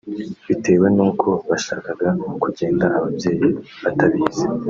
Bitewe n’uko bashakaga kugenda ababyeyi batabizi